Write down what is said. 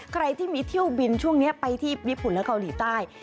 ใครที่มีเที่ยวบินช่วงนี้ไปที่ญี่ปุ่นและเกาหลีใต้